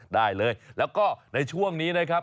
ได้เลยแล้วก็ในช่วงนี้นะครับ